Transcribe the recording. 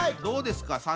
どうですか？